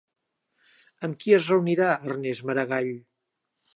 Amb qui es reunirà Ernest Maragall?